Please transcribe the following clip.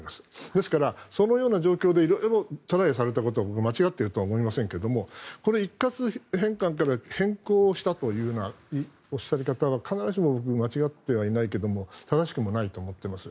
ですから、そのような状況で色々トライされたこと間違っているとは思いませんがこれ、一括返還から変更したというおっしゃり方は必ずしも間違ってないけど正しくもないと思っています。